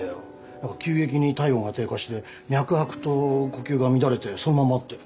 なんか急激に体温が低下して脈拍と呼吸が乱れてそのままって。